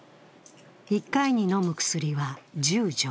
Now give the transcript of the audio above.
１回に飲む薬は１０錠。